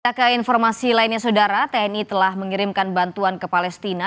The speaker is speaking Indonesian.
kita ke informasi lainnya saudara tni telah mengirimkan bantuan ke palestina